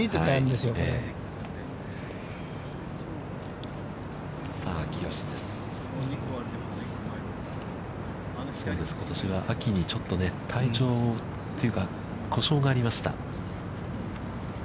そうです、ことしは秋にちょっと体調をというか、故障がありました。